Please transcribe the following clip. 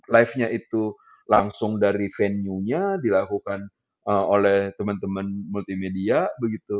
live nya itu langsung dari venue nya dilakukan oleh teman teman multimedia begitu